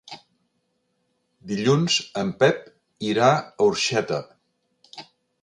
Dilluns en Pep irà a Orxeta.